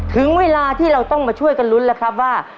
ถึงเวลาที่เราต้องมาช่วยกันลุ้นแล้วครับว่า